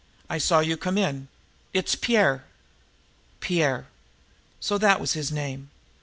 I saw you come in. It's Pierre." Pierre! So that was his name!